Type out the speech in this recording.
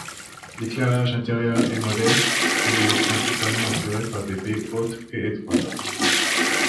L'éclairage intérieur est modeste et est principalement assuré par deux baies hautes et étroites.